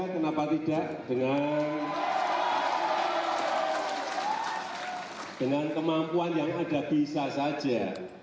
kenapa tidak dengan kemampuan yang ada bisa saja